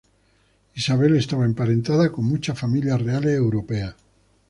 Isabel estaba emparentada con muchas familias reales europeas.